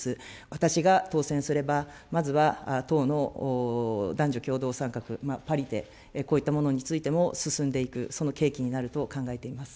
私が当選すれば、まずは党の男女共同参画、パリテ、こういったものについても進んでいく、その契機になると考えています。